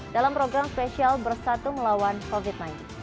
dalam program spesial bersatu melawan covid sembilan belas